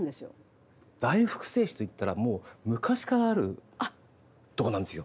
大福製紙といったらもう昔からあるとこなんですよ。